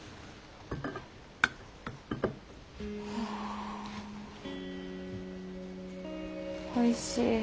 おいしい。